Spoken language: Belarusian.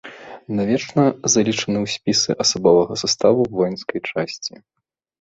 Навечна залічаны ў спісы асабовага саставу воінскай часці.